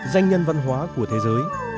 danh nhân văn hóa của thế giới